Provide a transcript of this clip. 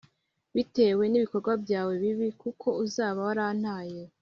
bitewe n’ibikorwa byawe bibi, kuko uzaba warantaye.